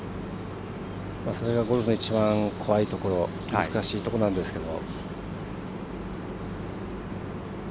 それがコースの一番怖いところ難しいところなんですけど。